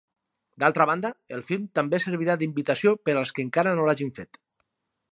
D'altra banda, el film també servirà d'invitació per als que encara no l'hagin fet.